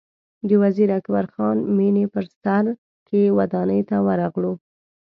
د وزیر اکبر خان مېنې په سر کې ودانۍ ته ورغلو.